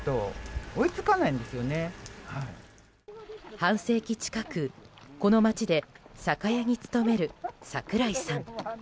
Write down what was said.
半世紀近くこの町で酒屋に勤める桜井さん。